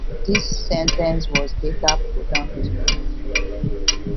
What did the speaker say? This sentence was later prolonged.